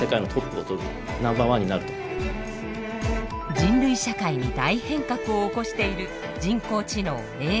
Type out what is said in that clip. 人類社会に大変革を起こしている人工知能ＡＩ。